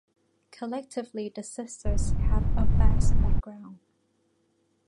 Collectively, the sisters have a vast background.